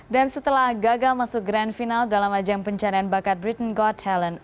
dan setelah gagal masuk grand final dalam ajang pencarian bakat britain got talent